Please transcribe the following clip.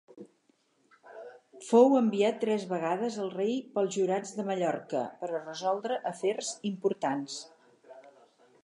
Fou enviat tres vegades al rei pels jurats de Mallorca per a resoldre afers importants.